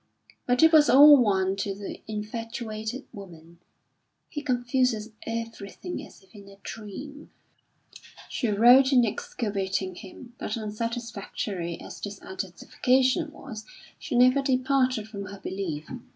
But it was all one to the infatuated woman "He confuses everything as if in a dream," she wrote in exculpating him; but unsatisfactory as this identification was, she never departed from her belief.